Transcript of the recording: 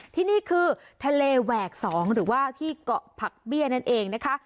ที่นี่คือทะเลแหวก๒หรือว่าที่เกาะผักเบี้ยนั่นเองนะคะ